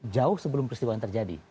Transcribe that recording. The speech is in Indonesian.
jauh sebelum peristiwa terjadi